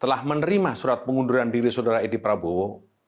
telah menerima surat pengunduran diri saudara edi prabowo